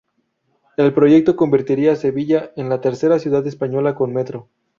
El proyecto convertiría a Sevilla en la tercera ciudad española con metro.